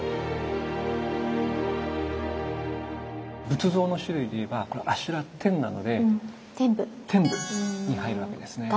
仏像の種類でいえば「阿修羅天」なので天部に入るわけですね。